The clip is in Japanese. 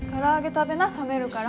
食べな冷めるから。